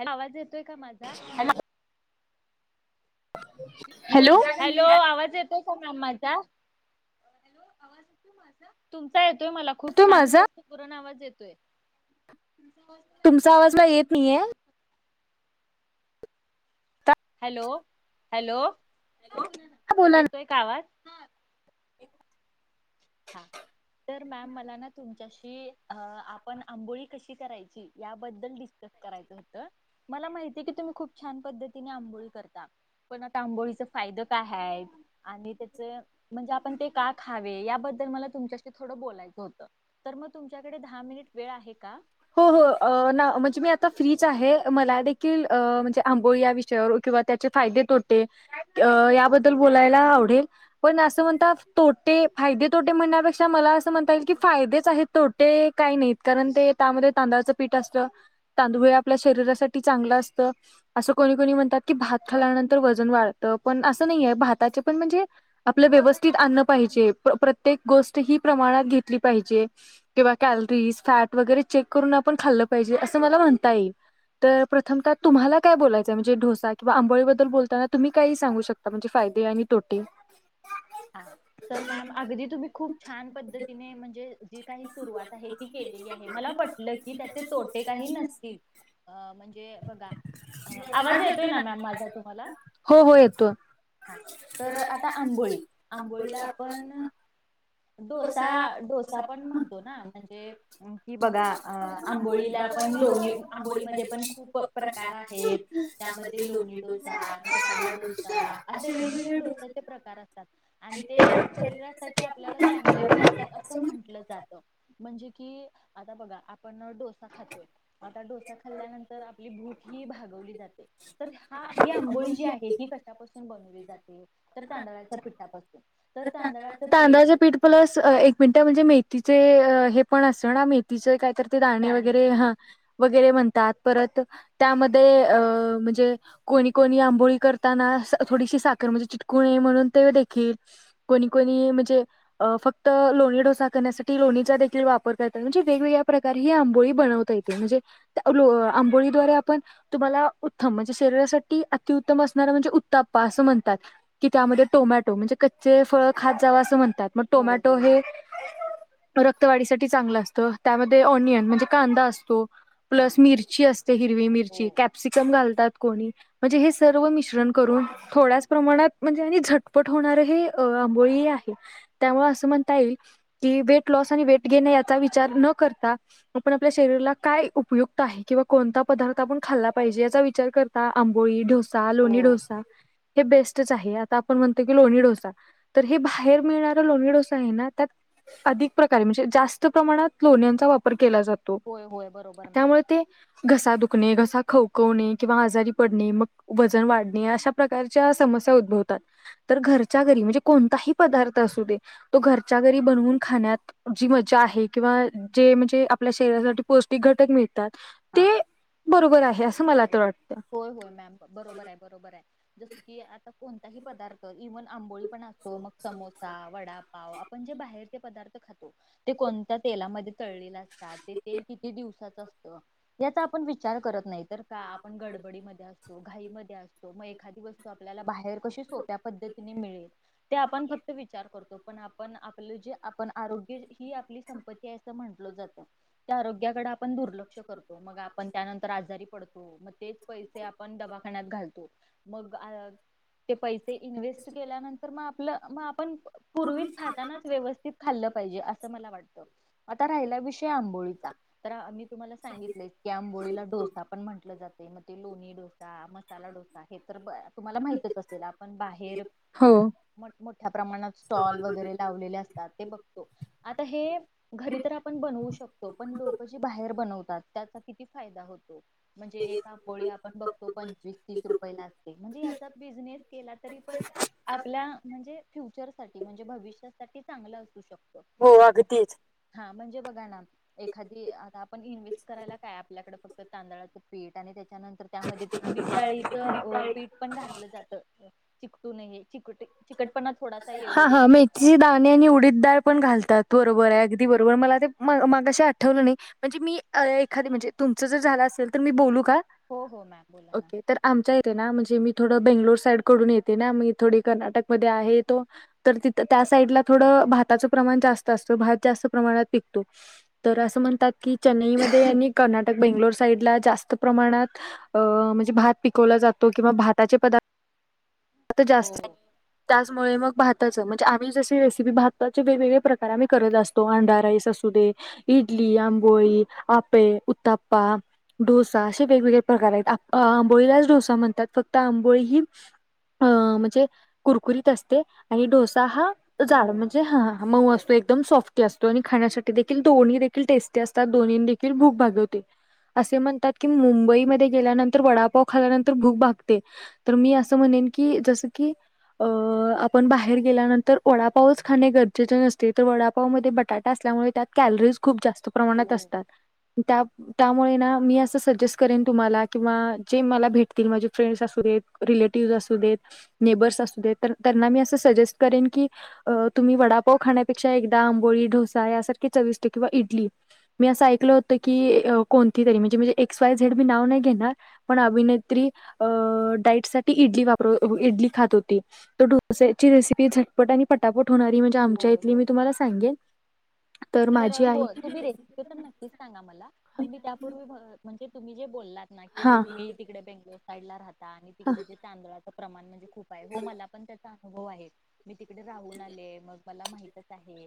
Hello, आवाज येतोय का माझा हॅलो, आवाज येत तो का नाय माझा, हॅलो आवाज येतोय माझा, तुमचा येतोय मला खूप तो छान माझा येतोय. पुरण आवाज येतोय. तुमचा आवाज तुमचा आवाज ना येत नाहीये हॅलो हॅलो बोला ना येतोय का आवाज एक हां तर मॅम मला ना तुमच्याशी आपण आंबोळी कशी करायची याबद्दल डिस्कस करायच होत मला माहिती की तुम्ही खूप छान पद्धतीने आंबोळी करता पण आता आंबोळीच फायदे काय हाय आणि त्याचे म्हणजे आपण का खावे याबद्ल तुमच्याशी बलायच हो तर मग तुमच्याकडे दहा मिनट वेळ आहे का हो अ ना म्हणजे मी आता फ्रीच आहे मला देखील म्हणजे आंबोळी या विषयावरुन किंवा त्याचे फायदे तोटे अ याबद्ल बोलायला आवळेल पण अस म्हणतात तोेटे फायदे तोटे म्हणण्यापेक्षा मला असं म्हणता येईल की फायदेच आहेत तोटे काही नाहीत कारण ते त्यामध्ये तांदळाचं पीठ असत तांदूळळ आपल्या शरीरासाठी चांगलं असतं असं कोणी कोणी म्हणतात की भात खालाल्यानंतर वजन वाढतं पण असं नाहीय भाताचे पण म्हणजे आपलं व्यवस्थित आणण पाहिजे प्रत्येक गोष्ट ही प्रमाणात घेतली पाहिजे किंवा कॅलरीज फॅट वगैरे चेक करून आपण खाल्लं पाहिजे असं मला म्हणता येई तर प्रथमतः तुम्हाला काय बलायं म्हजे ढोसा किं आंबळीबद्दल बोलताना तुम्ही काही सांगू शकता म्हणजे फाये आणि तोटे हा तर मॅम अगदी तुम्ही खूप छान पद्धतीने म्हणजे जी काही सुरुवात आहे ती केलेली आहे मला पटलं की त्याचे तोटे काही नसतील अ म्हणजे बघा आवाज येतोय ना मॅम माझा तुम्हाला हो हो येतो हा तर आता आंबोळी आंबोळीला आपण डोसा डोसा पण म्हणतो ना म्हणजे कि बघा आ आंबोळीला पण लोणी आंबोळीमध्ये पण खूप प्रकार आहेत त्यामध्ये लोणी डो मसाला डोसा असे वेगवेगळे डोस्याचे प्रकार असतात आणि ते शरीरासाठी आपल्या आपल्याला चांगले पण असतात असं म्हंटलं जातं म्हणजे की आता बघा आपण डोसा खातोय आता डोसा खाल्ल्यानंतर आपली भूख ही भागवली जाते तर हा ही आंबोळी जी आहे ही कशापासून बनवली जाते तर तांदळाच्या पीठापासुन तर तांदळाचं पीठ प्लस एक मिनिट म्हणजे मेथीचे हे पण असतं ना मेथीचे कायतर ते दाणे जाणे वगैरे हा वगैरे म्हणतात परत त्यामध्ये अ म्हणजे कोणी कोणी आंबोळी करताना थोडीशी साखर म्हणजे चिटकूणे म्हणून ते देखील कोणी कोणी म्हणजे फक्त लोणी डोसा करण्यासाठी लोणीचा देखील वापर करतात म्हणजे वेगवेगळ्या प्रकार तर ही आंबोळी बनवता येते म्हणजे आंबोळीद्वारे आपण तुम्हाला उत्तम म्हणजे शरीरासाठी अतिउत्तम असणारा म्हणजे उत्ताप्पा असं म्हणतात की त्यामध्ये टोमॅटो म्हणजे कच्चे फळ खात जावं असं म्हणतात मग हो टोमॅटो हो हे रक्तवाढीसाठी चांगलं असतं त्यामध्ये ऑनियन म्हणजे कांदा असतो हां प्लस मिरची असते हिरवी हो मिरची कॅप्सिकम घालतात कोणी म्हणजे हे सर्व मिश्रण करून थोड्याच प्रमाणात म्हणजे आणि झटपट होणार हे आंबोळी आहे त्यामुळे असं म्हणता येईल की वेट लॉस आणि वेट गेन याचा विचार न करता आपण आपल्या शरीराला काय उपयुक्त आहे किंवा कोणता पदार्थ का आपण खाल्ला पाहिजे याचा विचार करता आंबोळी, डोसा, हो लोणी डोसा हे बेस्ट च आहे आता आपण म्हणतो की लोणी डोसा, तर हे बाहेर मिळणारं लोणी डोसा आहे ना त्यात अधिक प्रकारे म्हणजे जास्त प्रमाणात लोण्यांचा वापर केला जातो. होय होय बर त्यामुळे ते घसा दुखणे, घसा खवकवणे किंवा आजारी पडणे मग वजन वाढणे अशा प्रकारच्या समस्या उद्भवतात. तर घरच्या घरी म्हणजे कोणताही पदार्थ असू दे तो घरच्या घरी बनवून खाण्यात जी मज्जा आहे किंवा जे म्हणजे आपल्या शरीरासाठी पौष्टिक घटक मिळतात ते हां बरोबर आहे असं मला तर वाटतं. होय होय मॅम बरोबर आहे बरोबर आहे जसं की आता कोणताही पदार्थ इव्हन आंबोळी पण असो मग समोसा, वडा पाव आपण जे बाहेरचे पदार्थ खातो ते कोणत्या तेलामध्ये तळलेले असतात ते तेल किती दिवसाच असतं याचा आपण विचार करत नाही तर का आपण गडबडीमध्ये असतो घाईमध्येध्ये अस तो मग एखादी वस्तू आपल्याला बाहेर कशी सोप्या पद्धतीने मिळेल ते आपण फक्त विचार करतो पण आपण आपलं जे आपण आरोग्य ही आपली संपत्ती आहे अस म्हटलं जातं त्या आरोग्याकडं आपण दुर्लक्ष करतो मग आपण त्यानंतर आजारी पडतो, मग तेच पैसे आपण दवाखान्यात घालतो. मग ते पैसे इन्व्हेस्ट केल्यानंत तर मग आपलं मग आपण पूर्वीच खातानाच व्यवस्थित खाल्लं पाहिजे असं मला वाटतं. आता राहिला विषय आंबोळीचा तर मी तुम्हाला सांगितलेच की आंबोळीला डोसा पण म्हटलं जातंय मग ते लोणी डोसा मसाला डोसा हे तर तुम्हाला माहितच असेल आपण बाहेर हो मोठ्या प्रमाणात स्टॉल वगैरे लावलेले असतात ते बघतो आता हे घरी तर आपण बनवू शकतो पण लोक जी बाहेर बनवत तात त्याचा किती फायदा होतो? म्हणजे एक आंबोळी आपण बघतो पंचवीस तीस रुपये ला असते म्हणजे याचा बिझनेस केला तरी पण आपल्या म्हणजे फ्युचर साठी म्हणजे भविष्यासाठी चांगलं असू शकतो. हो अगदीच. हां म्हणजे बघा ना एखादी आता आपण इन्व्हेस्ट करायला काय आपल्याकड फक्त तांदळाचं पीठ आणि त्याच्यानंतर त्यामध्ये ते उडीद डाळीचं पीठ पण घातलं जातं चिकटू नये चिकट चिकटपणा थोडासा येऊ दे तिचे दाणे आणि उडीदडाळ पण घालतात बरोबर आहे अगदी बरोबर मला ते मघाशी आठवलं नाही. म्हणजे मी एखादी म्हणजे तुमचं जर झालं असेल तर मी बोलू का? हो हो मॅम बोला ना. ओके तर आमच्या इथे ना म्हणजे मी थोडं बेंगलोर साईडकडून येते ना मी थोडी कर्नाटकमध्ये आहे तो तर तिथं त्या साईडला थोडं भाताचं प्रमाण जास्त असतं भात जास्त प्रमाणात पिकतो. तर असं म्हणतात की चेन्नईमध्ये आणि कर्ना टक बेंगलोर साईड ला जास्त प्रमाणात अ म्हणजे भात पिकवला जातो किंवा भाताचे पदार्थ आता हो जास्त हो. त्याचमुळे मग भाताचं म्हणजे आम्ही जशी रेसिपी भाताचे वेगवेगळे प्रकार आम्ही करत असतो अंडा राईस असू दे इडली, आंबोळी, अप्पे, उत्तप्पा डोसा असे वेगवेगळे प्रकार आहेत आंबोळीलाच डोसा म्हणतात फक्त आंबोळी ही अ म्हणजे कुरकुरीत असते आणि डोसा हा जाड हो म्हणजे हा हां मऊ असतो बरोबर एकदम सॉफ्ट असतो आणि खाण्यासाठी देखील दोन्ही देखील टेस्टी असतात दोन्ही देखील भूक भागवते. असे म्हणतात की, मुंबईमध्ये गेल्यानंतर, वडापाव खाल्यानंतर, भूक भागते. तर मी असं म्हणेन की, जस की, अ आपण बाहेर गेल्यानंतर वडापावच खाणे गरजेचे नसते, तर वडापाव मध्ये, बटाटा असल्यामुळे, त्यात कॅलरीज खूप जास्त प्रमाणात हो असतात, त्या त्यामुळे ना, मी असं सजेस्ट करेन, तुम्हाला किंवा जे मला भेटतील, माझे फ्रेंड्स असू देत, रिलेटिव्ह अस देत, नेबर्स असूदे, तर त्यांना मी, अस सजेस्ट करेन, की तुम्ही वडापाव खाण्यापेक्षा, एकदा आंबोळी, ढोसा यासारखी चवीष्ट किंवा इडली मी असं ऐकलं होतं की, कोणती ताई, म्हणजे जे एक्स वाय झेड, मी नाव नाही घेणार. पण हा अभिनेत्री, अ डाईट साठी, इडली वापर, इडली खात होती. तो ढोस्याची रेसिपी, झटपट आणि पटापट होणारी, म्हणजे आमच्या होय इथली, मी होय. तुम्हाला सांगेन. तर माझी आई होय, तु बी रे तर नक्कीच सांगा मला, पण मी त्यापूर्वी, ब म्हणजे तुम्ही जे बोललात ना की, हां, तुम्ही तिकडे बेंगलोर साईड ला, राहता आणि हां. तिकडे जे तांदळाच प्रमाण, म्हणजे खूप आहे, हो मला पण त्याचा अनुभव आहे. मी तिकडे राहून आले, मग मला माहितच आहे,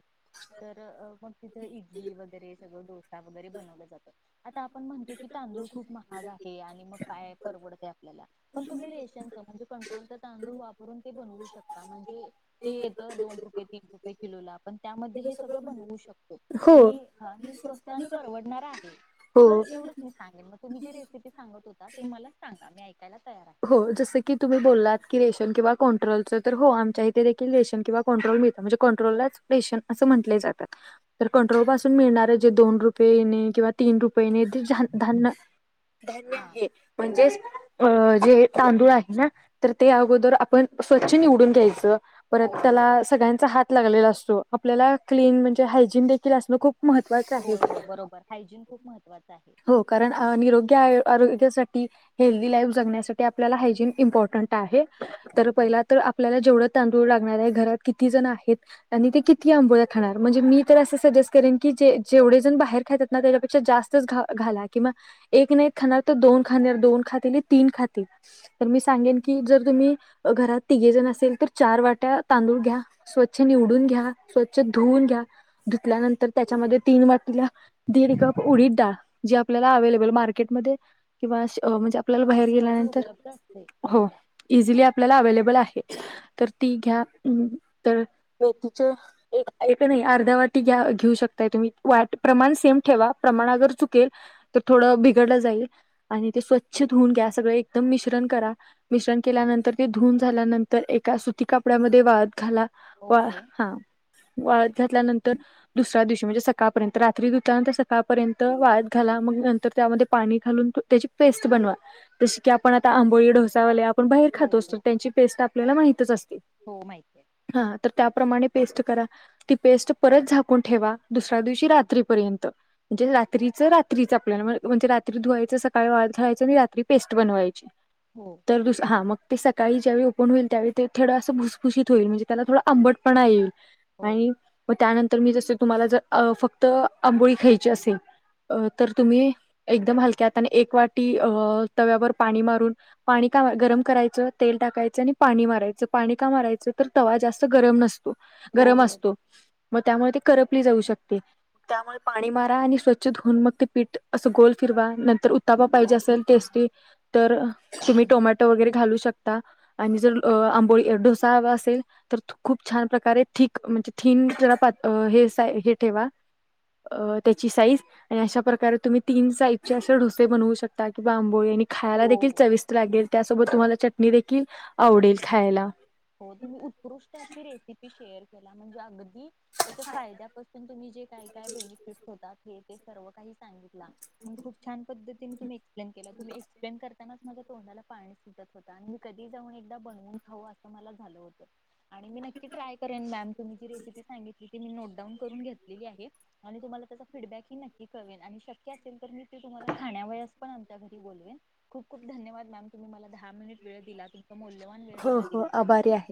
तर मग तिथं इडली वगैरे, सगळ डोसा वगैरे, बनवल्या जातात. आता आपण म्हणतो की, तांदूळ खूप महाग आहे, आणि मग काय परवडतय, आपल्याला. पण तुम्ही रेशनच, म्हणजे कंट्रोलच तांदूळ वापरून, ते बनवू शकता, म्हणजे ते येत, दोन रुपये, तीन रुपये किलोला, पण त्यामध्ये हे सगळं बनवू शकतो, हो, अणि हां, हे स्वस्थ अनी परवडणार आहे, तर हो. एवढंच म सांगेन, म तुम्ही जी रेसिपी सांगत होता, ते मला सांगा मी ऐ कायला, तयार ये. हो, जसं क की तुम्ही बोलात, की रेशम किंवा कंन्ट्रोलचं, तर हो आमच्या इथे देखील रेशम किंवा कंट्रोल मिळता, म्हणजे कंट्रोललाच रेशन अस म्हंटले जातात. तर कंट्रोल पासून मिळणार ये, जे दोन रुपयेने किंवा तीन रुपयेने, ज धान्य [unintelligible] ध्य हा लागले, हो म्हणजेच अ ते, तांदुळ आहे ना, तर ते अगोदर आपन स्वच्छ निवडून घ्यायचं, परत हो त्याला बरोबर. अस त्यांचा हात लागलेला असतो, आपल्याला क्लीन, म्हनजे हायजिन देखील असणं, खूप महत्त्वाचं होय आहे होय बरोबर, हायजीन खूप महत्वाचं, आहे. हां, निरोगी आय-आरोग्यासाठी, हेल्दी लाईफ जगण्यासाठी, आपल्याला हायजीन इम्पॉर्टंट त आहे, तर हो पहिला, तर आपल्याला जेवढं तांदूळ लागणार य, घरात किती जण आहेत? आणि ते किती आंबोळ्या खाणार, म्हणजे मी तर अस सजेस्ट करेन की, ज-जेवढे जण बाहेर खातात ना, त्याच्यापेक्षा जास्तच घ-घाला, किंवा एक नही खाणार, तर दोन खानार, दोन खाती, ते तीन खाती, तर मी सांगेन की, जर तुम्ही घरात तिघे जण असेल, तर चार वाट्या, तांदूळ घ्या. स्वच्छ निवडून घ्या, स्वच्छ धुवून घ्या, धुतल्यानंतर त्याच्यामध्ये, तीन वाटी ह्या दीड कप उडीद डाळ, जी आपल्याला अवेलेबल मार्केटमध्ये, किंवा अश अ म्हणजे आपल्याला हा बाहेर सहज गेल्यानंतर, उपलब्ध असते हो. बरोबर इझिली आपल्याला अवेलेबल आहे, तर ती घ्या, तर मेथीचे एक-एक नाही, अर्धा वाटी घ्या, घेऊ शकताय तुम्ही, वाट प्रमाण सेम ठेवा, प्रमाण अगर चुकेल तर थोडं बिघडलं जाईल, आणि ते स्वच्छ धूऊन घ्या, सगळं एक मिश्रण करा, मिश्रण केल्यानंतर, ते धुऊन झाल्यानंतर, एका सुती कापड्यामध्ये, वाळत घाला. वा, ओके हा, वाळत घातल्यानंतर दुसऱ्या दिवशी, म्हणजे सकाळपर्यंत, रात्री धुल्यानंतर, सकाळपर्यंत वाळत घाला, मंग नंतर त्यामध्ये पाणी घालून त्याची पेस्ट बनवा. जशी की आपण आता आंबोळी डोसावाले आपण बाहेर हो खातोच, तर हो त्यांची पेस्ट आपल्याला माहितच असते. हो माहिती आहे. हा तर त्याप्रमाणे पेस्ट करा. ती पेस्ट परत झाकून ठेवा, दुसऱ्या दिवशी रात्रीपर्यंत. म्हणजे रात्रीच रात्रीचं आपल्याला म्हणजे रात्री धुवायचं, सकाळी वाळत घालायचं आणि रात्री पेस् ट बनवायची. हो तर हा मग ते सकाळी ज्यावेळी ओपन होईल त्यावेळी ते थोडं असं भुसभुशीत होईल, म्हणजे त्या थडा आंबटपणा येईल. हो आणि मग त्यानंतर मी जसे तुम्हांला जर फक्त आंबोळी ख्यायची असेल अ तर तुम्ही एकदम हलक्या हाताने एक वाटी अ तव्यावर पाणी मारून, पाणी का गरम करायचं तेल टाकायचं आणि पाणी मारायचं पाणी का मारायचं तर तवा जास्त गरम नसतो, हो गरम बरोबर असतो मग त्यामुळे ती करपली जाऊ शकते, त्यामुळे पाणी मारा आणि स्वछ छ धुऊन मग ते पीठ असं गोल फिरवा नंतर उतापा पाहिजे वाटी असेल हा, टेस्टी, तर तुम्ही टोमॅटो वगैरे घालू शकता. आणि जर अ आंबोळी डोसा हवा असेल, तर खूप छान प्रकारे थिक म्हणजे थीन जरा पातळ हे साय हे ठेवा. अ त्यांची साईज आणि अशा प्रकारे तुम्ही तीन साईजचे असे डोसे बनवू शकता किंवा आंबोळी आणि खायाला हो देखील हो चविष्ट लागेल त्यासोबत तुम्हांला चटणी देखील आवडेल खायाला. हो तुम्ही उत्कृष्ट अशी रेसिपी शेअर केला म्हणजे अगदी, त्यांच्या फायद्यापासून तुम्ही जे काही काय बेनिफिट होतात हे ते सर्व काही सांगितला आणि खूप छान पद्धतीने एक्सप्लेन केला तुम्ही एक्प्लेन करतानाच माझं तोंडाला पाणी सुटतं होता आणि मी कधी जाऊन एकदा बनवून खाऊ असं मला झालं होतं. आणि मी नक्की ट्राय करेन मॅम, तुम्ही जी रेसिपी सांगितली ती मी नोटडाऊन करून घेतलेली आहे. आणि तुम्हांला त्याचा फीडबॅक ही नक्की कळवेन आणि शक्य असेल तर मी ते तुम्हांला खानावयास पण आमच्या घरी बोलवेन. खूप खूप धन्यवाद मॅम तुम्ही मला दहा मिनिट वेळ दिला, तुमचा मौल्यवान वेळ हो मला हो दिला. त्याबद्दल आभारी आहे.